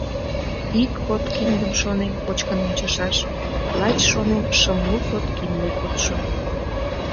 Ик подкиндым, шонем, кочкын ончышаш, лач шонем, шымлу подкинде кодшо.